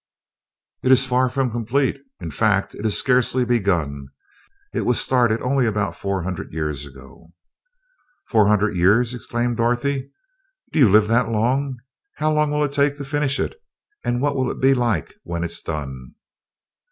"It is far from complete; in fact, it is scarcely begun. It was started only about four hundred years ago." "Four hundred years!" exclaimed Dorothy. "Do you live that long? How long will it take to finish it, and what will it be like when it is done?"